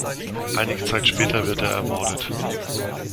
Einige Zeit später wird er ermordet.